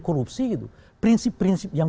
korupsi gitu prinsip prinsip yang